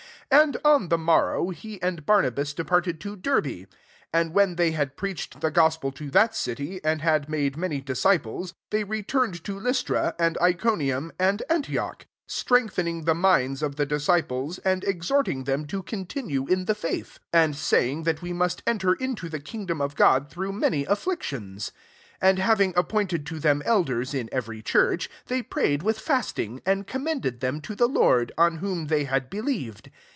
Akd on the morrow, he tend Barnabas departed to Derb^. 21 And when they had preach ed the gospel to that city, and had made many disciples, they returned to Lystra, and Ico nium, and Antioch; 22 strength ening the minds of the disci ples, and exhorting them to continue in the faith ; and say ings that we must enter into the kingdom of God through many afflictions. 23 And having ap pointed to them elders in every church, they prayed with fast ing, and commended them to the I^rd, on whom they had believed.